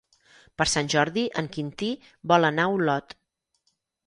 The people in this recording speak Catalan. Per Sant Jordi en Quintí vol anar a Olot.